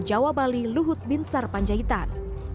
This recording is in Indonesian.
jawa bali luhut binsar panjaitan